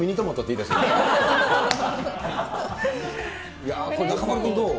いやぁ、これ、中丸君、どう？